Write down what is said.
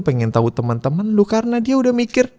pengen tau temen temen lu karena dia udah mikir